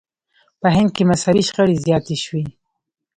په هند کې مذهبي شخړې زیاتې شوې.